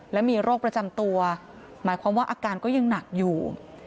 และมีโรคประจำตัวหมายความว่าอาการก็ยังหนักอยู่